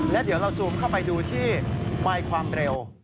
และเดี๋ยวเราซูมเข้าไปดูที่ไมค์ความเร็ว